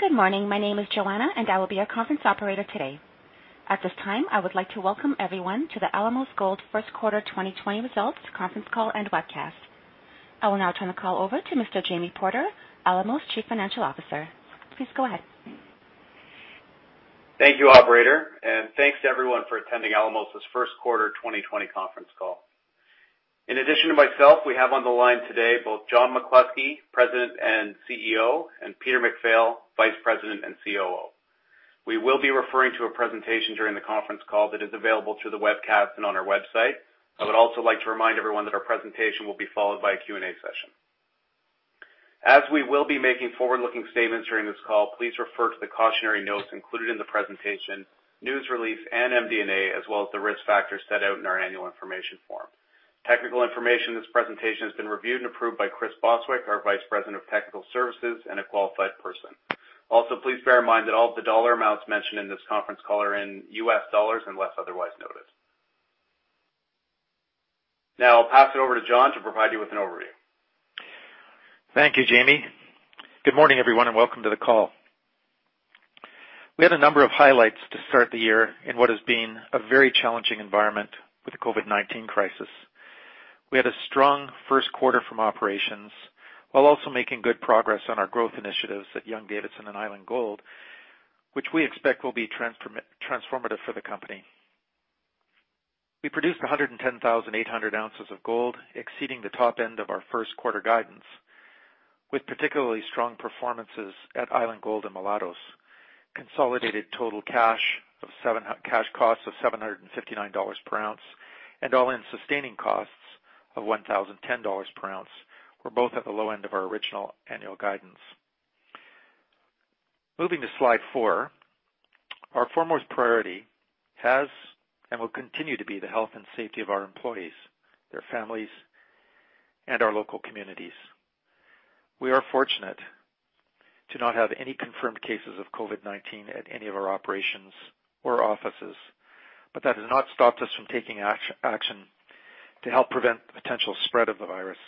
Good morning. My name is Joanna, and I will be your conference operator today. At this time, I would like to welcome everyone to the Alamos Gold First Quarter 2020 Results Conference Call and Webcast. I will now turn the call over to Mr. Jamie Porter, Alamos Chief Financial Officer. Please go ahead. Thank you, operator. Thanks to everyone for attending Alamos' first quarter 2020 conference call. In addition to myself, we have on the line today both John McCluskey, President and CEO, and Peter MacPhail, Vice President and COO. We will be referring to a presentation during the conference call that is available through the webcast and on our website. I would also like to remind everyone that our presentation will be followed by a Q&A session. As we will be making forward-looking statements during this call, please refer to the cautionary notes included in the presentation, news release, and MD&A, as well as the risk factors set out in our annual information form. Technical information in this presentation has been reviewed and approved by Chris Bostwick, our Vice President of Technical Services and a qualified person. Please bear in mind that all of the dollar amounts mentioned in this conference call are in US dollars unless otherwise noted. Now I'll pass it over to John to provide you with an overview. Thank you, Jamie. Good morning, everyone, and welcome to the call. We had a number of highlights to start the year in what has been a very challenging environment with the COVID-19 crisis. We had a strong first quarter from operations while also making good progress on our growth initiatives at Young-Davidson and Island Gold, which we expect will be transformative for the company. We produced 110,800 ounces of gold, exceeding the top end of our first-quarter guidance, with particularly strong performances at Island Gold and Mulatos. Consolidated Total cash costs of $759 per ounce and all-in sustaining costs of $1,010 per ounce were both at the low end of our original annual guidance. Moving to slide four, our foremost priority has and will continue to be the health and safety of our employees, their families, and our local communities. We are fortunate to not have any confirmed cases of COVID-19 at any of our operations or offices, but that has not stopped us from taking action to help prevent the potential spread of the virus.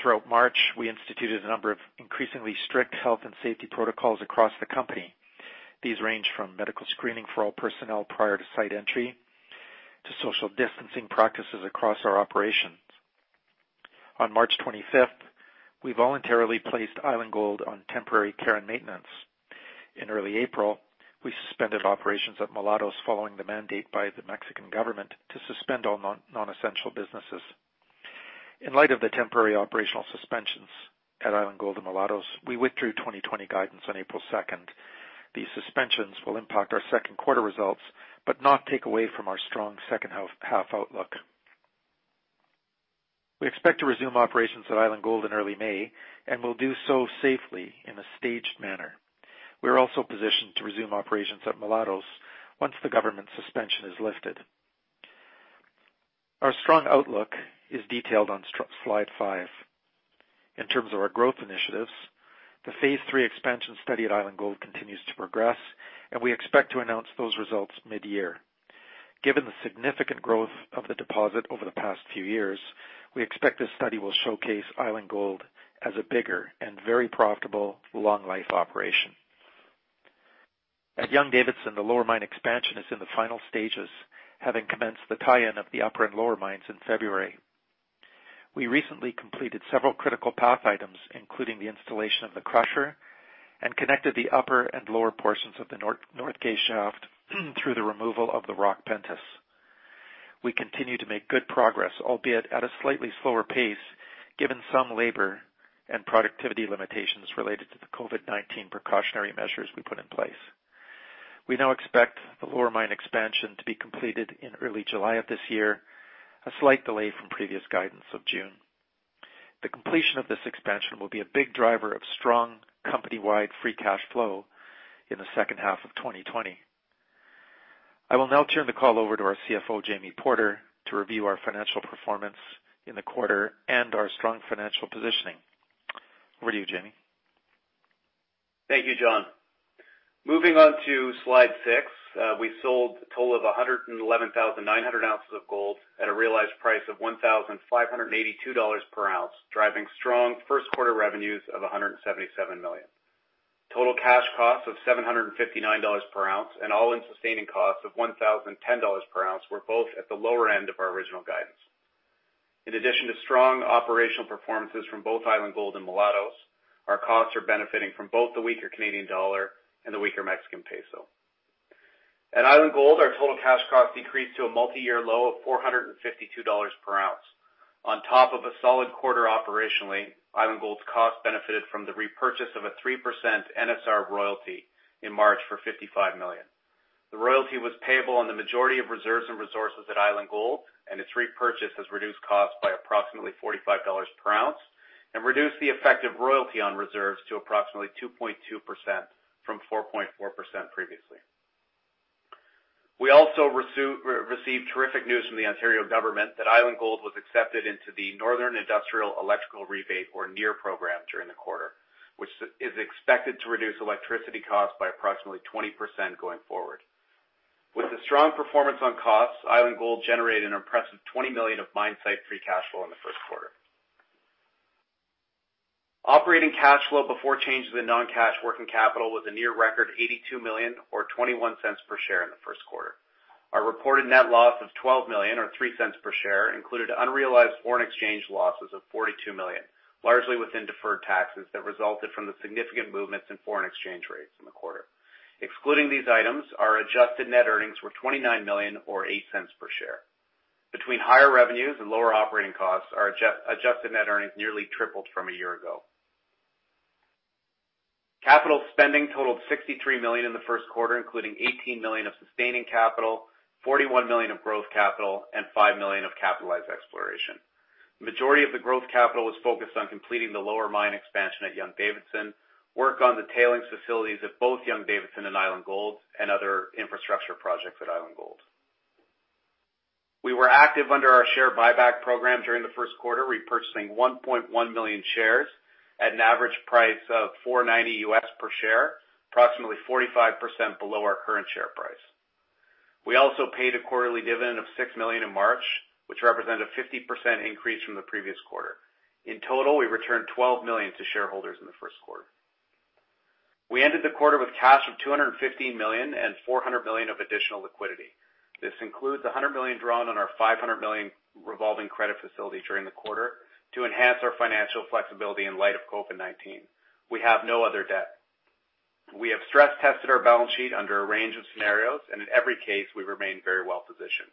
Throughout March, we instituted a number of increasingly strict health and safety protocols across the company. These range from medical screening for all personnel prior to site entry to social distancing practices across our operations. On March 25th, we voluntarily placed Island Gold on temporary care and maintenance. In early April, we suspended operations at Mulatos following the mandate by the Mexican government to suspend all non-essential businesses. In light of the temporary operational suspensions at Island Gold and Mulatos, we withdrew 2020 guidance on April 2nd. These suspensions will impact our second quarter results but not take away from our strong second half outlook. We expect to resume operations at Island Gold in early May and will do so safely in a staged manner. We're also positioned to resume operations at Mulatos once the government suspension is lifted. Our strong outlook is detailed on slide five. In terms of our growth initiatives, the Phase 3 expansion study at Island Gold continues to progress, and we expect to announce those results mid-year. Given the significant growth of the deposit over the past few years, we expect this study will showcase Island Gold as a bigger and very profitable long-life operation. At Young-Davidson, the lower mine expansion is in the final stages, having commenced the tie-in of the upper and lower mines in February. We recently completed several critical path items, including the installation of the crusher, and connected the upper and lower portions of the Northgate Shaft through the removal of the rock pentice. We continue to make good progress, albeit at a slightly slower pace, given some labor and productivity limitations related to the COVID-19 precautionary measures we put in place. We now expect the lower mine expansion to be completed in early July of this year, a slight delay from previous guidance of June. The completion of this expansion will be a big driver of strong company-wide free cash flow in the second half of 2020. I will now turn the call over to our CFO, Jamie Porter, to review our financial performance in the quarter and our strong financial positioning. Over to you, Jamie. Thank you, John. Moving on to slide six, we sold a total of 111,900 ounces of gold at a realized price of $1,582 per ounce, driving strong first-quarter revenues of $177 million. Total cash costs of $759 per ounce and all-in sustaining costs of $1,010 per ounce were both at the lower end of our original guidance. In addition to strong operational performances from both Island Gold and Mulatos, our costs are benefiting from both the weaker Canadian dollar and the weaker Mexican peso. At Island Gold, our total cash cost decreased to a multiyear low of $452 per ounce. On top of a solid quarter operationally, Island Gold's cost benefited from the repurchase of a 3% NSR royalty in March for $55 million. The royalty was payable on the majority of reserves and resources at Island Gold, and its repurchase has reduced costs by approximately $45 per ounce and reduced the effective royalty on reserves to approximately 2.2% from 4.4% previously. We also received terrific news from the Ontario government that Island Gold was accepted into the Northern Industrial Electricity Rate, or NIER program, during the quarter, which is expected to reduce electricity costs by approximately 20% going forward. With the strong performance on costs, Island Gold generated an impressive $20 million of mine site free cash flow in the first quarter. Operating cash flow before change to the non-cash working capital was a near record $82 million, or $0.21 per share in the first quarter. Our reported net loss of $12 million, or $0.03 per share, included unrealized foreign exchange losses of $42 million, largely within deferred taxes that resulted from the significant movements in foreign exchange rates in the quarter. Excluding these items, our adjusted net earnings were $29 million or $0.08 per share. Between higher revenues and lower operating costs, our adjusted net earnings nearly tripled from a year ago. Capital spending totaled $63 million in the first quarter, including $18 million of sustaining capital, $41 million of growth capital, and $5 million of capitalized exploration. Majority of the growth capital was focused on completing the lower mine expansion at Young-Davidson, work on the tailing facilities at both Young-Davidson and Island Gold, and other infrastructure projects at Island Gold. We were active under our share buyback program during the first quarter, repurchasing 1.1 million shares at an average price of $4.90 per share, approximately 45% below our current share price. We also paid a quarterly dividend of $6 million in March, which represented a 50% increase from the previous quarter. In total, we returned $12 million to shareholders in the first quarter. We ended the quarter with cash of $215 million and $400 million of additional liquidity. This includes $100 million drawn on our $500 million revolving credit facility during the quarter to enhance our financial flexibility in light of COVID-19. We have no other debt. We have stress tested our balance sheet under a range of scenarios, and in every case, we remain very well-positioned.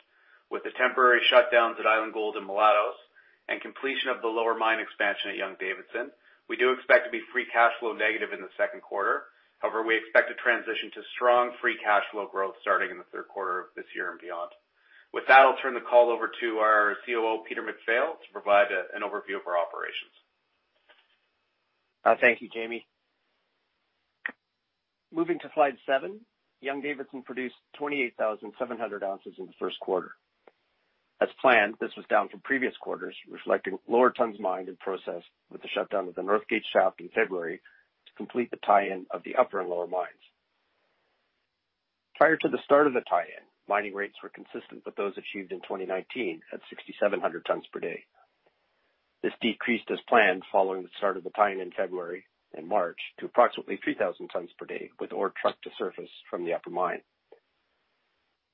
With the temporary shutdowns at Island Gold and Mulatos and completion of the lower mine expansion at Young-Davidson, we do expect to be free cash flow negative in the second quarter. However, we expect to transition to strong free cash flow growth starting in the third quarter of this year and beyond. With that, I'll turn the call over to our COO, Peter MacPhail, to provide an overview of our operations. Thank you, Jamie. Moving to slide seven. Young-Davidson produced 28,700 ounces in the first quarter. As planned, this was down from previous quarters, reflecting lower tons mined and processed with the shutdown of the Northgate Shaft in February to complete the tie-in of the upper and lower mines. Prior to the start of the tie-in, mining rates were consistent with those achieved in 2019 at 6,700 tons per day. This decreased as planned following the start of the tie in February and March to approximately 3,000 tons per day with ore trucked to surface from the upper mine.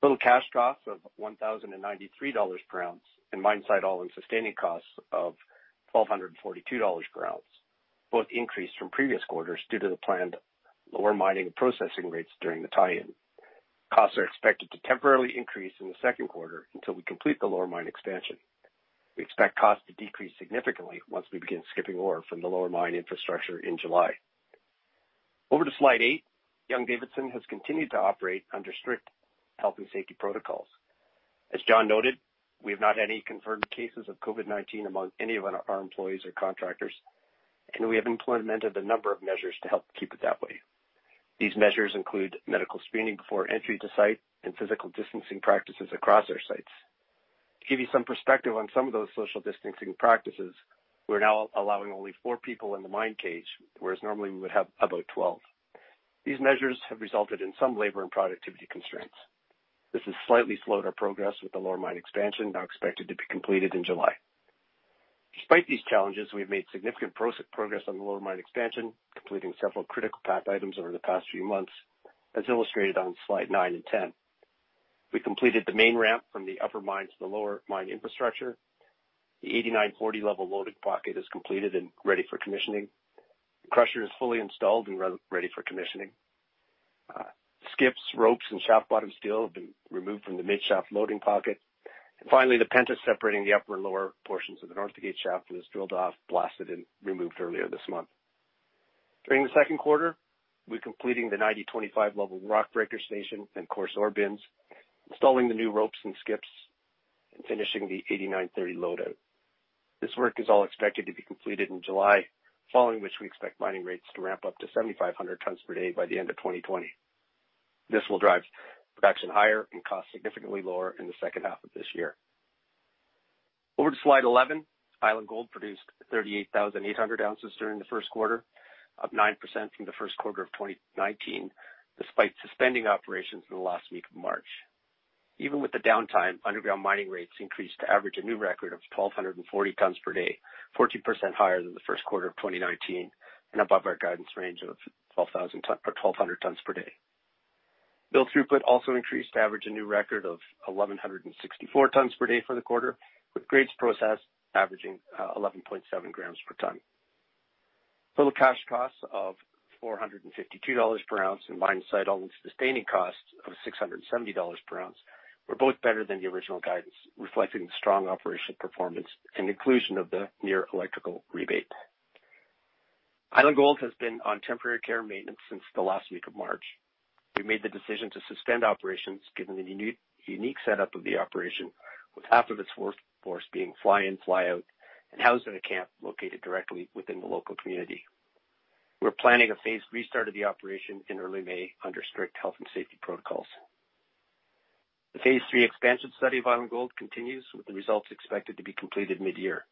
Total cash costs of $1,093 per ounce and mine site all-in sustaining costs of $1,242 per ounce, both increased from previous quarters due to the planned lower mining and processing rates during the tie-in. Costs are expected to temporarily increase in the second quarter until we complete the lower mine expansion. We expect costs to decrease significantly once we begin skipping ore from the lower mine infrastructure in July. Over to slide eight. Young-Davidson has continued to operate under strict health and safety protocols. As John noted, we have not had any confirmed cases of COVID-19 among any of our employees or contractors, and we have implemented a number of measures to help keep it that way. These measures include medical screening before entry to site and physical distancing practices across our sites. To give you some perspective on some of those social distancing practices, we are now allowing only four people in the mine cage, whereas normally we would have about 12. These measures have resulted in some labor and productivity constraints. This has slightly slowed our progress with the lower mine expansion, now expected to be completed in July. Despite these challenges, we've made significant progress on the lower mine expansion, completing several critical path items over the past few months, as illustrated on slide nine and 10. We completed the main ramp from the upper mine to the lower mine infrastructure. The 8940 level loading pocket is completed and ready for commissioning. The crusher is fully installed and ready for commissioning. Skips, ropes, and shaft bottom steel have been removed from the mid-shaft loading pocket. Finally, the pentice separating the upper and lower portions of the Northgate Shaft was drilled off, blasted, and removed earlier this month. During the second quarter, we're completing the 9025 level rock breaker station and coarse ore bins, installing the new ropes and skips, and finishing the 8930 loadout. This work is all expected to be completed in July, following which we expect mining rates to ramp up to 7,500 tons per day by the end of 2020. This will drive production higher and costs significantly lower in the second half of this year. Over to slide 11. Island Gold produced 38,800 ounces during the first quarter, up 9% from the first quarter of 2019 despite suspending operations in the last week of March. Even with the downtime, underground mining rates increased to average a new record of 1,240 tons per day, 14% higher than the first quarter of 2019 and above our guidance range of 1,200 tons per day. Mill throughput also increased to average a new record of 1,164 tons per day for the quarter, with grades processed averaging 11.7 grams per ton. Total cash costs of $452 per ounce and mine site all-in sustaining costs of $670 per ounce were both better than the original guidance, reflecting the strong operational performance and inclusion of the NIER electrical rebate. Island Gold has been on temporary care and maintenance since the last week of March. We made the decision to suspend operations given the unique setup of the operation with half of its workforce being fly-in, fly-out and housed in a camp located directly within the local community. We're planning a phased restart of the operation in early May under strict health and safety protocols. The Phase 3 expansion study of Island Gold continues, with the results expected to be completed mid-year.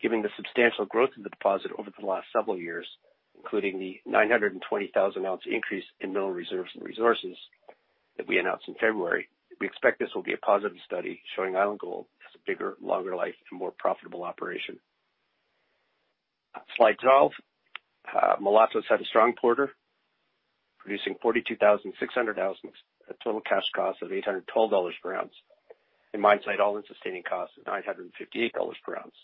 Given the substantial growth of the deposit over the last several years, including the 920,000 ounce increase in mill reserves and resources that we announced in February, we expect this will be a positive study showing Island Gold as a bigger, longer life and more profitable operation. Slide 12. Mulatos had a strong quarter, producing 42,600 ounces at total cash cost of $812 per ounce, and mine site all-in sustaining cost of $958 per ounce.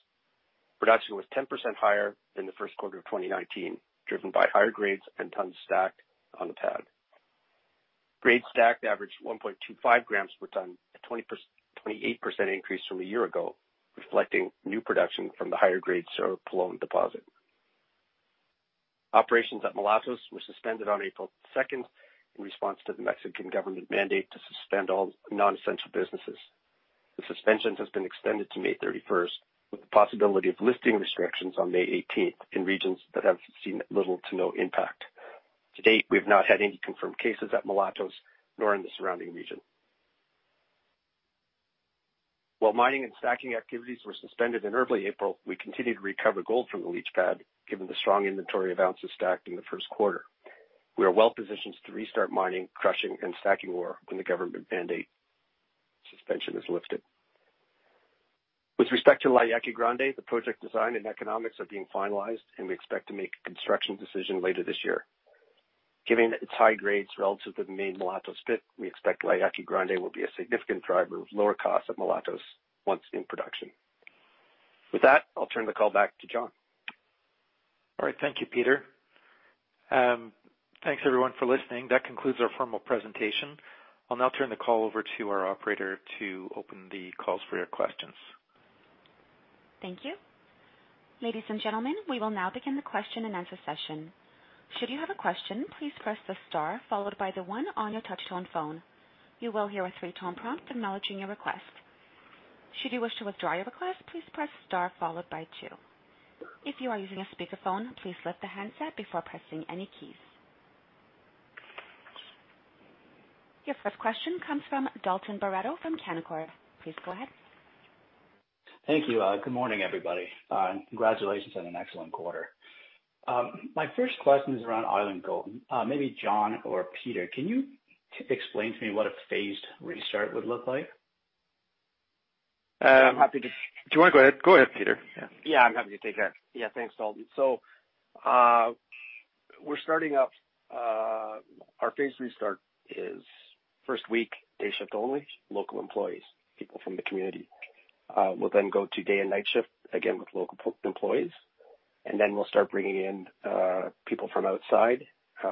Production was 10% higher than the first quarter of 2019, driven by higher grades and tons stacked on the pad. Grades stacked averaged 1.25 grams per ton, a 28% increase from a year ago, reflecting new production from the higher grade Cerro Pelon deposit. Operations at Mulatos were suspended on April 2nd in response to the Mexican government mandate to suspend all non-essential businesses. The suspension has been extended to May 31st, with the possibility of lifting restrictions on May 18th in regions that have seen little to no impact. To date, we've not had any confirmed cases at Mulatos nor in the surrounding region. While mining and stacking activities were suspended in early April, we continued to recover gold from the leach pad, given the strong inventory of ounces stacked in the first quarter. We are well-positioned to restart mining, crushing, and stacking ore when the government mandate suspension is lifted. With respect to La Yaqui Grande, the project design and economics are being finalized, and we expect to make a construction decision later this year. Given its high grades relative to the main Mulatos pit, we expect La Yaqui Grande will be a significant driver of lower cost at Mulatos once in production. With that, I'll turn the call back to John. All right. Thank you, Peter. Thanks everyone for listening. That concludes our formal presentation. I'll now turn the call over to our operator to open the calls for your questions. Thank you. Ladies and gentlemen, we will now begin the question-and-answer session. Should you have a question, please press the star followed by the one on your touchtone phone. You will hear a three-tone prompt acknowledging your request. Should you wish to withdraw your request, please press star followed by two. If you are using a speakerphone, please lift the handset before pressing any keys. Your first question comes from Dalton Baretto from Canaccord. Please go ahead. Thank you. Good morning, everybody. Congratulations on an excellent quarter. My first question is around Island Gold. Maybe John or Peter, can you explain to me what a phased restart would look like? I'm happy to- Do you want to go ahead? Go ahead, Peter. Yeah. Yeah, I'm happy to take that. Yeah, thanks, Dalton. We're starting up. Our phased restart is first week, day shift only, local employees, people from the community. We'll go to day and night shift, again with local employees. We'll start bringing in people from outside.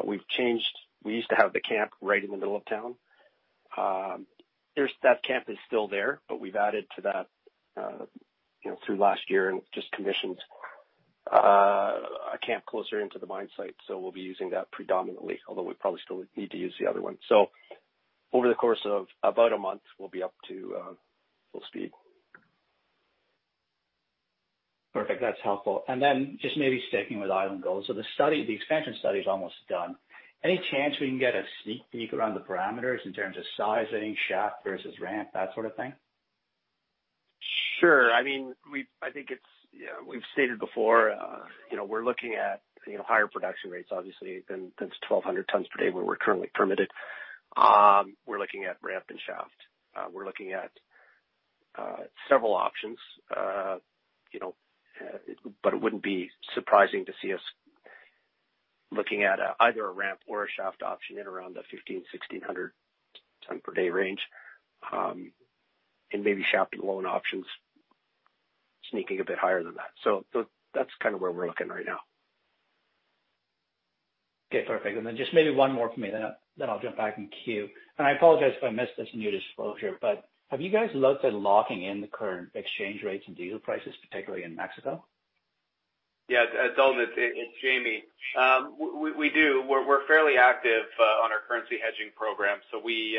We've changed. We used to have the camp right in the middle of town. That camp is still there, but we've added to that through last year and just commissioned a camp closer into the mine site. We'll be using that predominantly, although we probably still need to use the other one. Over the course of about a month, we'll be up to full speed. Perfect. That's helpful. Just maybe sticking with Island Gold. The expansion study's almost done. Any chance we can get a sneak peek around the parameters in terms of size, any shaft versus ramp, that sort of thing? Sure. We've stated before we're looking at higher production rates, obviously, than 1,200 tons per day, where we're currently permitted. We're looking at ramp and shaft. We're looking at several options. It wouldn't be surprising to see us looking at either a ramp or a shaft option in around the 1,500-1,600 ton per day range, and maybe shaft alone options sneaking a bit higher than that. That's kind of where we're looking right now. Okay, perfect. Then just maybe one more from me, then I'll jump back in queue. I apologize if I missed this in your disclosure, have you guys looked at locking in the current exchange rates and diesel prices, particularly in Mexico? Dalton, it's Jamie. We do. We're fairly active on our currency hedging program. We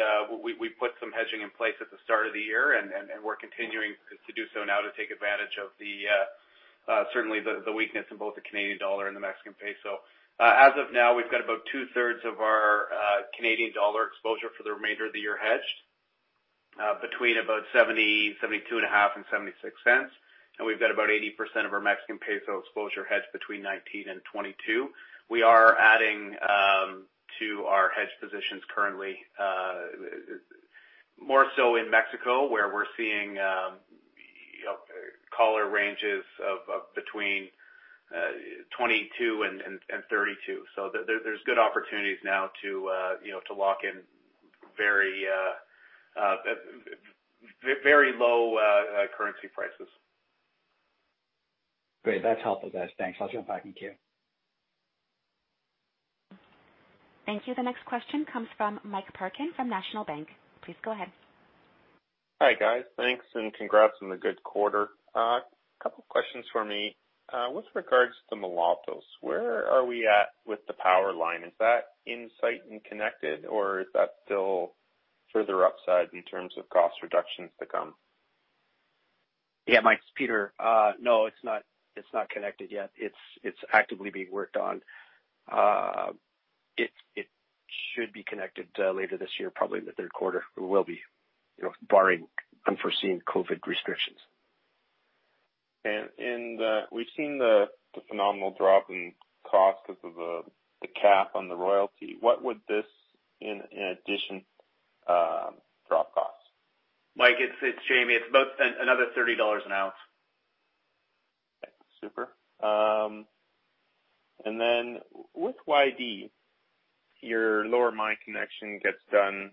put some hedging in place at the start of the year, and we're continuing to do so now to take advantage of certainly the weakness in both the Canadian dollar and the Mexican peso. As of now, we've got about 2/3 of our Canadian dollar exposure for the remainder of the year hedged between about $0.70, $0.725, and $0.76. We've got about 80% of our Mexican peso exposure hedged between 19 and 22. We are adding to our hedge positions currently, more so in Mexico where we're seeing collar ranges of between 22 and 32. There's good opportunities now to lock in very low currency prices. Great. That's helpful, guys. Thanks. I'll jump back in queue. Thank you. The next question comes from Mike Parkin from National Bank. Please go ahead. Hi, guys. Thanks, congrats on the good quarter. A couple questions for me. With regards to Mulatos, where are we at with the power line? Is that in sight and connected, or is that still further upside in terms of cost reductions to come? Yeah, Mike, it's Peter. No, it's not connected yet. It should be connected later this year, probably the third quarter. We will be, barring unforeseen COVID restrictions. We've seen the phenomenal drop in cost because of the cap on the royalty. What would this, in addition, drop cost? Mike, it's Jamie. It's about another $30 an ounce. Super. With YD, your lower mine connection gets done.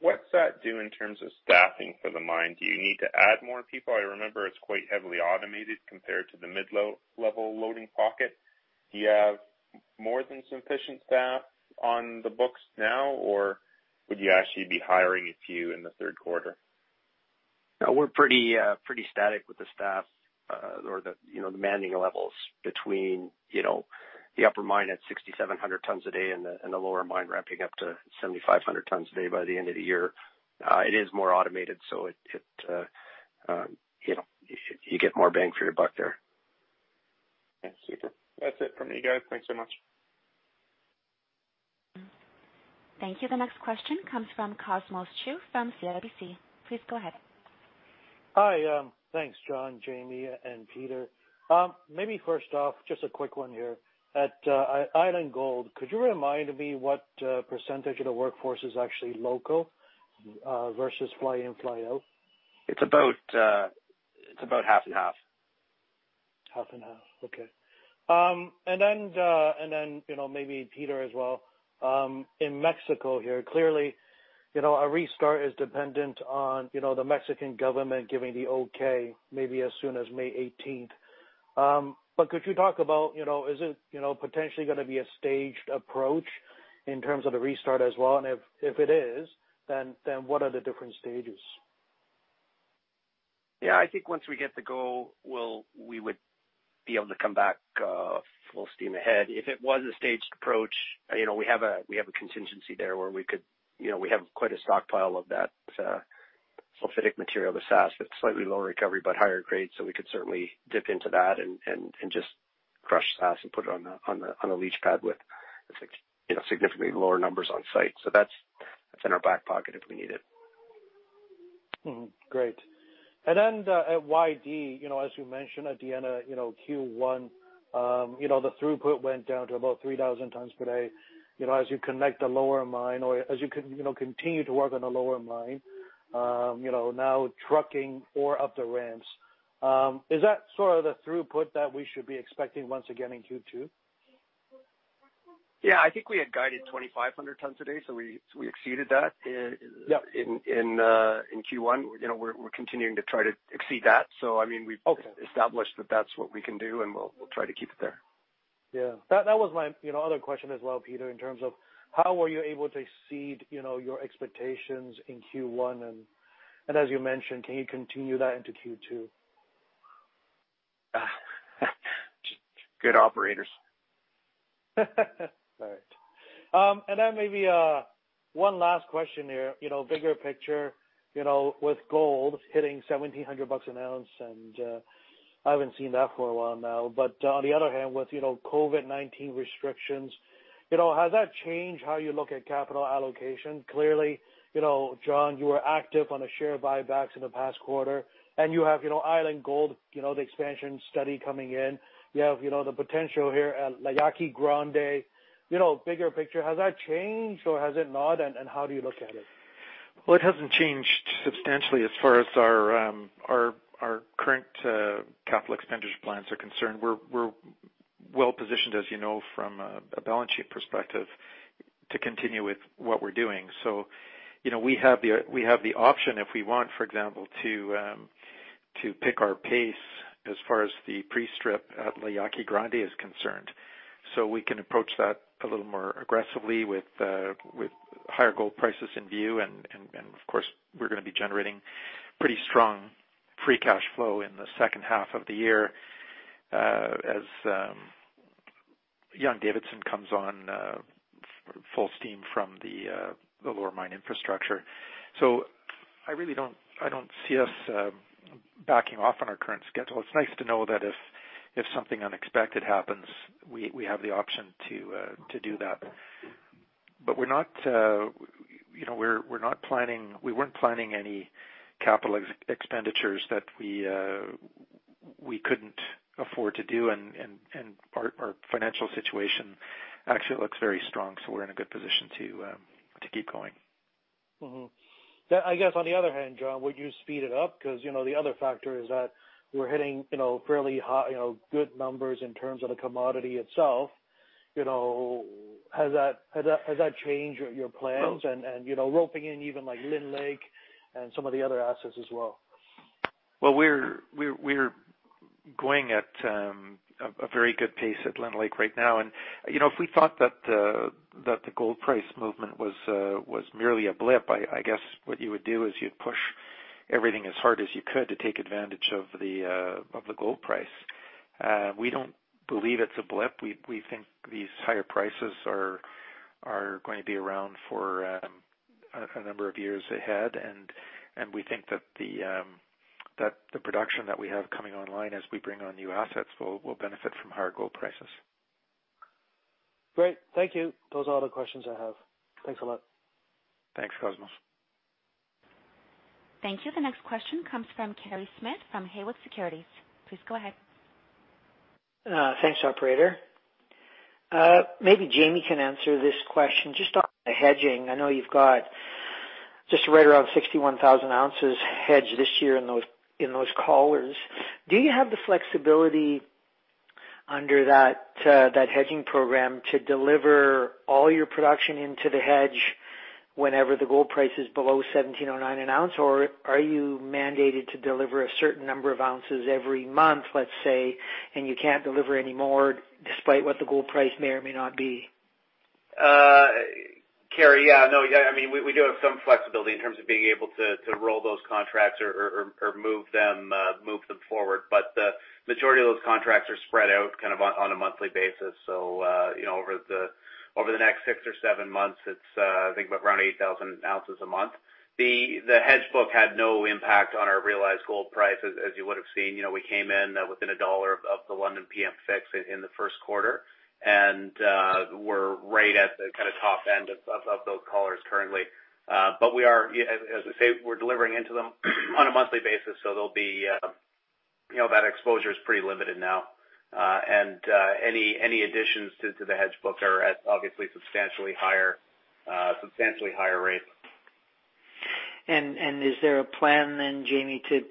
What's that do in terms of staffing for the mine? Do you need to add more people? I remember it's quite heavily automated compared to the mid-level loading pocket. Do you have more than sufficient staff on the books now, or would you actually be hiring a few in the third quarter? No, we're pretty static with the staff or the manning levels between the upper mine at 6,700 tons a day and the lower mine ramping up to 7,500 tons a day by the end of the year. It is more automated, so you get more bang for your buck there. Yeah, super. That's it from me, guys. Thanks so much. Thank you. The next question comes from Cosmos Chiu from CIBC. Please go ahead. Hi. Thanks, John, Jamie, and Peter. Maybe first off, just a quick one here. At Island Gold, could you remind me what percentage of the workforce is actually local, versus fly-in, fly-out? It's about half and half. Half and half. Okay. Then, maybe Peter as well. In Mexico here, clearly, a restart is dependent on the Mexican government giving the okay maybe as soon as May 18th. Could you talk about, is it potentially going to be a staged approach in terms of the restart as well? If it is, then what are the different stages? Yeah, I think once we get the go, we would be able to come back full steam ahead. If it was a staged approach, we have a contingency there where we have quite a stockpile of that sulfidic material, the SASS, that's slightly lower recovery, but higher grade, so we could certainly dip into that and just crush SASS and put it on a leach pad with significantly lower numbers on site. That's in our back pocket if we need it. Great. At YD, as you mentioned at the end of Q1, the throughput went down to about 3,000 tons per day. As you connect the lower mine or as you continue to work on the lower mine, now trucking ore up the ramps, is that sort of the throughput that we should be expecting once again in Q2? I think we had guided 2,500 tons a day, so we exceeded that in Q1. We're continuing to try to exceed that. We've established that that's what we can do, and we'll try to keep it there. Yeah, that was my other question as well, Peter, in terms of how were you able to exceed your expectations in Q1, and as you mentioned, can you continue that into Q2? Just good operators. All right. Maybe one last question here. Bigger picture, with gold hitting $1,700 an ounce, and I haven't seen that for a while now, but on the other hand, with COVID-19 restrictions, has that changed how you look at capital allocation? Clearly, John, you were active on the share buybacks in the past quarter, and you have Island Gold, the expansion study coming in. You have the potential here at La Yaqui Grande. Bigger picture, has that changed or has it not, and how do you look at it? Well, it hasn't changed substantially as far as our current capital expenditure plans are concerned. We're well positioned, as you know, from a balance sheet perspective to continue with what we're doing. We have the option, if we want, for example, to pick our pace as far as the pre-strip at La Yaqui Grande is concerned. We can approach that a little more aggressively with higher gold prices in view, and of course, we're going to be generating pretty strong free cash flow in the second half of the year as Young-Davidson comes on full steam from the lower mine infrastructure. I don't see us backing off on our current schedule. It's nice to know that if something unexpected happens, we have the option to do that. We weren't planning any capital expenditures that we couldn't afford to do, and our financial situation actually looks very strong. We're in a good position to keep going. Mm-hmm. I guess on the other hand, John, would you speed it up? Because the other factor is that we're hitting fairly good numbers in terms of the commodity itself. Has that changed your plans and roping in even like Lynn Lake and some of the other assets as well? Well, we're going at a very good pace at Lynn Lake right now, and if we thought that the gold price movement was merely a blip, I guess what you would do is you'd push everything as hard as you could to take advantage of the gold price. We don't believe it's a blip. We think these higher prices are going to be around for a number of years ahead, and we think that the production that we have coming online as we bring on new assets will benefit from higher gold prices. Great. Thank you. Those are all the questions I have. Thanks a lot. Thanks, Cosmos. Thank you. The next question comes from Kerry Smith from Haywood Securities. Please go ahead. Thanks, operator. Maybe Jamie can answer this question. Just on the hedging, I know you've got just right around 61,000 ounces hedged this year in those collars. Do you have the flexibility under that hedging program to deliver all your production into the hedge whenever the gold price is below $1,709 an ounce? Or are you mandated to deliver a certain number of ounces every month, let's say, and you can't deliver any more despite what the gold price may or may not be? Kerry, yeah. We do have some flexibility in terms of being able to roll those contracts or move them forward. The majority of those contracts are spread out on a monthly basis. Over the next six or seven months, it's, I think, around 8,000 ounces a month. The hedge book had no impact on our realized gold price, as you would've seen. We came in within $1 of the London PM fix in the first quarter. We're right at the kind of top end of those collars currently. As I say, we're delivering into them on a monthly basis, so that exposure's pretty limited now. Any additions to the hedge book are at obviously substantially higher rates. Is there a plan then, Jamie, to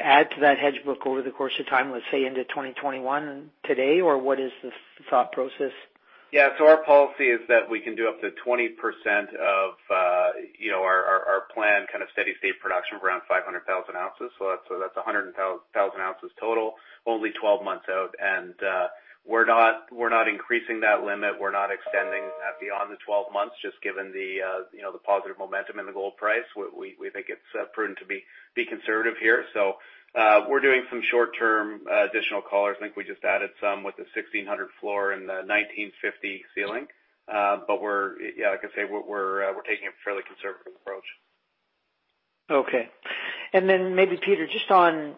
add to that hedge book over the course of time, let's say into 2021 today, or what is the thought process? Yeah. Our policy is that we can do up to 20% of our planned kind of steady state production of around 500,000 ounces. That's 100,000 ounces total, only 12 months out, and we're not increasing that limit. We're not extending that beyond the 12 months, just given the positive momentum in the gold price. We think it's prudent to be conservative here. We're doing some short-term additional collars. I think we just added some with a $1,600 floor and a $1,950 ceiling. Like I say, we're taking a fairly conservative approach. Okay. Maybe Peter, just on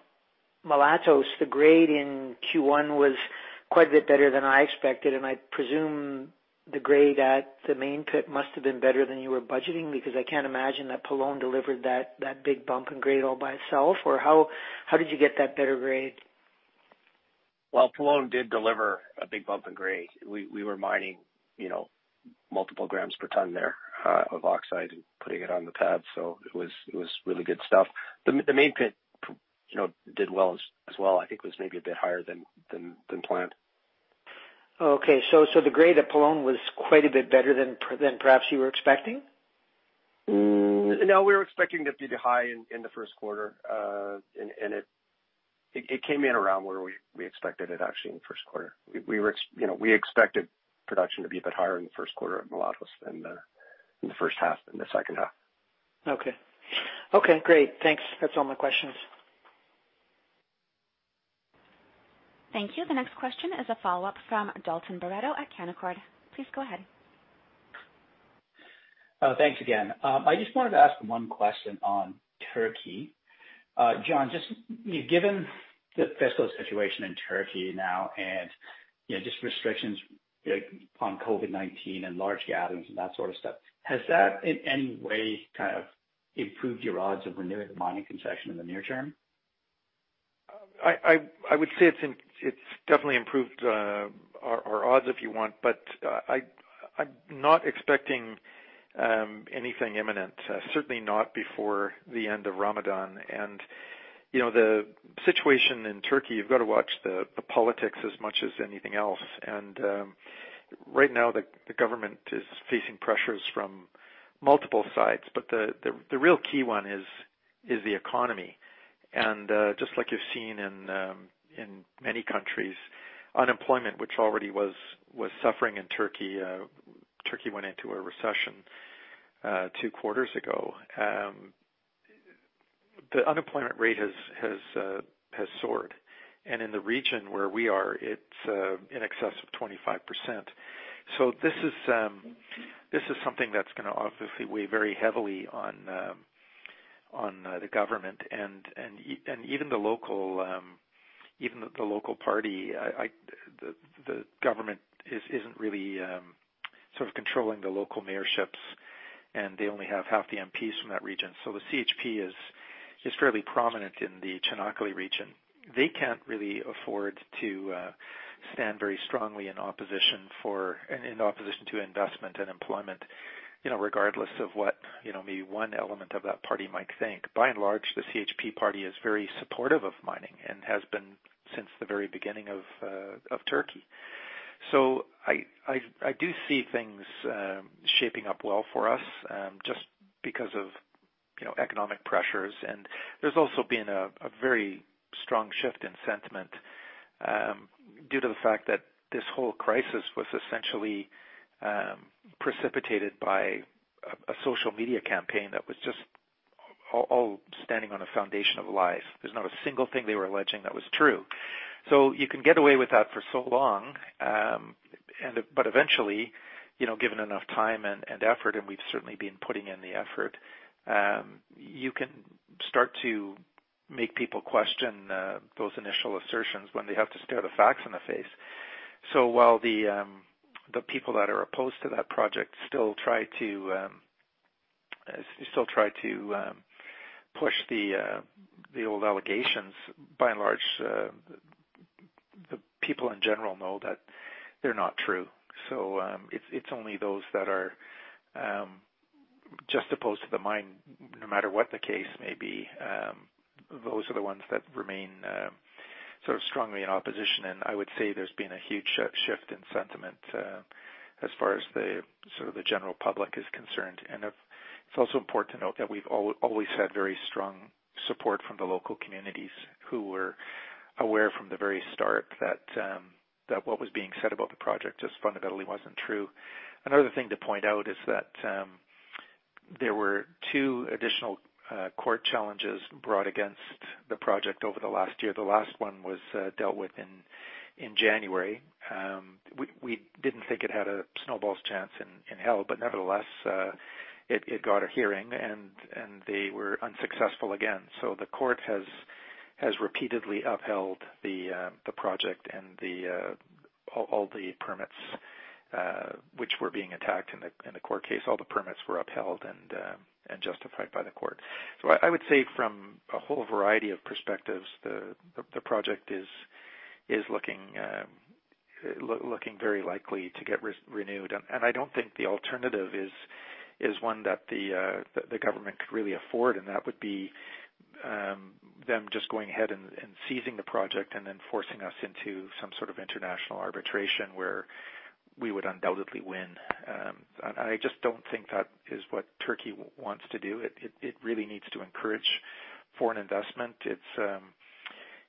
Mulatos, the grade in Q1 was quite a bit better than I expected, I presume the grade at the main pit must've been better than you were budgeting, because I can't imagine that Cerro Pelon delivered that big bump in grade all by itself. How did you get that better grade? Well, Pelon did deliver a big bump in grade. We were mining multiple grams per ton there of oxide and putting it on the pad. It was really good stuff. The main pit did well as well. I think it was maybe a bit higher than planned. Okay, the grade at Pelon was quite a bit better than perhaps you were expecting? No, we were expecting it to be high in the first quarter. It came in around where we expected it actually in the first quarter. We expected production to be a bit higher in the first quarter at Mulatos than the first half, than the second half. Okay. Great. Thanks. That's all my questions. Thank you. The next question is a follow-up from Dalton Baretto at Canaccord. Please go ahead. Thanks again. I just wanted to ask one question on Turkey. John, just given the fiscal situation in Turkey now and just restrictions upon COVID-19 and large gatherings and that sort of stuff, has that in any way kind of improved your odds of renewing the mining concession in the near term? I would say it's definitely improved our odds, if you want, but I'm not expecting anything imminent, certainly not before the end of Ramadan. The situation in Turkey, you've got to watch the politics as much as anything else. Right now, the government is facing pressures from multiple sides, but the real key one is the economy. Just like you've seen in many countries, unemployment, which already was suffering in Turkey went into a recession two quarters ago. The unemployment rate has soared, and in the region where we are, it's in excess of 25%. This is something that's going to obviously weigh very heavily on the government, and even the local party, the government isn't really sort of controlling the local mayorships, and they only have half the MPs from that region. The CHP is fairly prominent in the Çanakkale region. They can't really afford to stand very strongly in opposition to investment and employment, regardless of what maybe one element of that party might think. By and large, the CHP party is very supportive of mining and has been since the very beginning of Turkey. I do see things shaping up well for us, just because of economic pressures, and there's also been a very strong shift in sentiment due to the fact that this whole crisis was essentially precipitated by a social media campaign that was just all standing on a foundation of lies. There's not a single thing they were alleging that was true. You can get away with that for so long, but eventually, given enough time and effort, and we've certainly been putting in the effort, you can start to make people question those initial assertions when they have to stare the facts in the face. While the people that are opposed to that project still try to push the old allegations, by and large, the people in general know that they're not true. It's only those that are just opposed to the mine, no matter what the case may be. Those are the ones that remain strongly in opposition. I would say there's been a huge shift in sentiment, as far as the general public is concerned. It's also important to note that we've always had very strong support from the local communities who were aware from the very start that what was being said about the project just fundamentally wasn't true. Another thing to point out is that there were two additional court challenges brought against the project over the last year. The last one was dealt with in January. We didn't think it had a snowball's chance in hell, but nevertheless, it got a hearing, and they were unsuccessful again. The court has repeatedly upheld the project and all the permits, which were being attacked in the court case, were upheld and justified by the court. I would say from a whole variety of perspectives, the project is looking very likely to get renewed. I don't think the alternative is one that the government could really afford, and that would be them just going ahead and seizing the project and then forcing us into some sort of international arbitration where we would undoubtedly win. I just don't think that is what Turkey wants to do. It really needs to encourage foreign investment.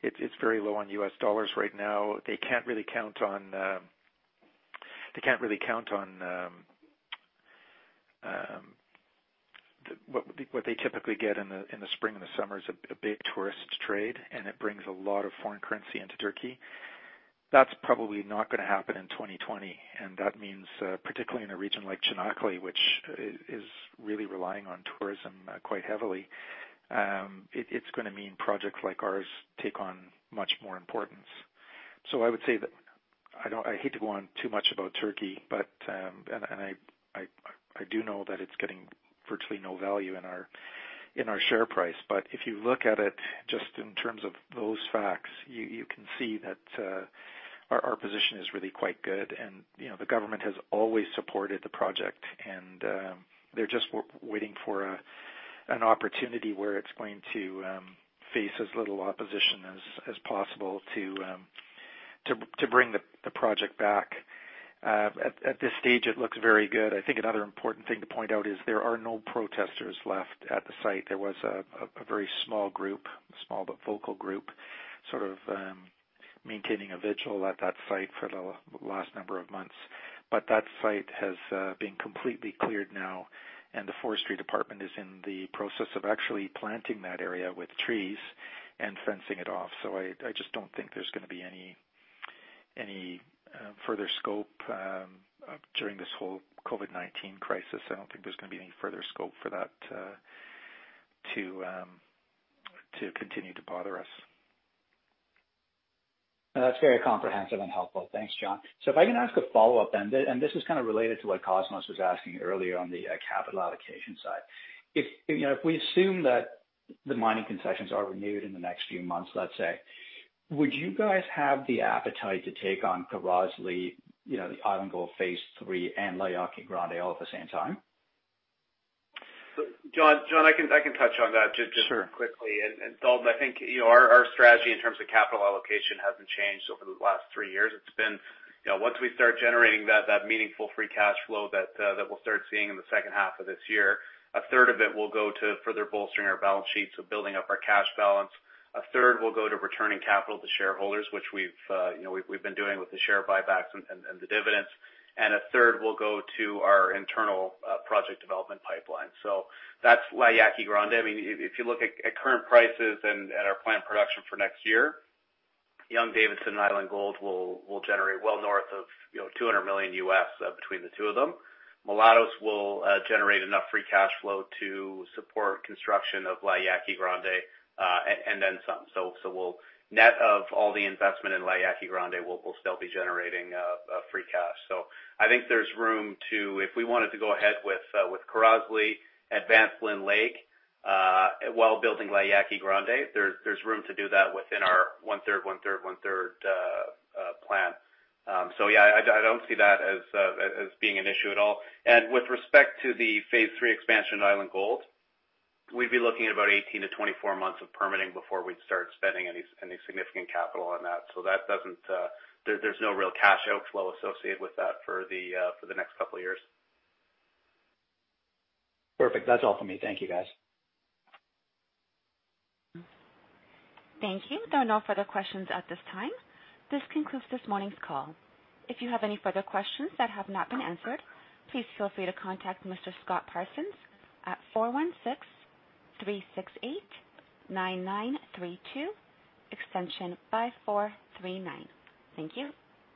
It's very low on U.S. dollars right now. They can't really count on what they typically get in the spring and the summer is a big tourist trade, and it brings a lot of foreign currency into Turkey. That's probably not going to happen in 2020. That means, particularly in a region like Çanakkale, which is really relying on tourism quite heavily, it's going to mean projects like ours take on much more importance. I would say that I hate to go on too much about Turkey, and I do know that it's getting virtually no value in our share price, but if you look at it just in terms of those facts, you can see that our position is really quite good and the government has always supported the project and, they're just waiting for an opportunity where it's going to face as little opposition as possible to bring the project back. At this stage, it looks very good. I think another important thing to point out is there are no protesters left at the site. There was a very small group, a small but vocal group, sort of maintaining a vigil at that site for the last number of months. That site has been completely cleared now, and the forestry department is in the process of actually planting that area with trees and fencing it off. I just don't think there's going to be any further scope, during this whole COVID-19 crisis. I don't think there's going to be any further scope for that to continue to bother us. That's very comprehensive and helpful. Thanks, John. If I can ask a follow-up then, and this is kind of related to what Cosmos was asking earlier on the capital allocation side. If we assume that the mining concessions are renewed in the next few months, let's say, would you guys have the appetite to take on Kirazlı, the Island Gold phase III, and La Yaqui Grande all at the same time? John, I can touch on that. Sure. Quickly. Dalton, I think our strategy in terms of capital allocation hasn't changed over the last three years. It's been, once we start generating that meaningful free cash flow that we'll start seeing in the second half of this year, a third of it will go to further bolstering our balance sheet, so building up our cash balance. A third will go to returning capital to shareholders, which we've been doing with the share buybacks and the dividends. A third will go to our internal project development pipeline. That's La Yaqui Grande. If you look at current prices and our planned production for next year, Young-Davidson and Island Gold will generate well north of 200 million between the two of them. Mulatos will generate enough free cash flow to support construction of La Yaqui Grande, and then some. We'll net of all the investment in La Yaqui Grande, we'll still be generating free cash. I think there's room to, if we wanted to go ahead with Kirazlı, advance Lynn Lake, while building La Yaqui Grande, there's room to do that within our one-third plan. Yeah, I don't see that as being an issue at all. With respect to the phase III expansion in Island Gold, we'd be looking at about 18-24 months of permitting before we'd start spending any significant capital on that. There's no real cash outflow associated with that for the next couple of years. Perfect. That's all for me. Thank you, guys. Thank you. There are no further questions at this time. This concludes this morning's call. If you have any further questions that have not been answered, please feel free to contact Mr. Scott Parsons at 416-368-9932, extension 5439. Thank you.